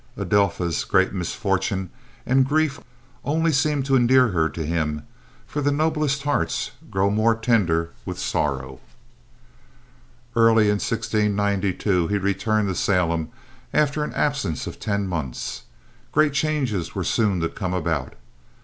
Adelpha's great misfortune and grief only seemed to endear her to him, for the noblest hearts grow more tender with sorrow. Early in 1692, he returned to Salem after an absence of ten months. Great changes were soon to come about.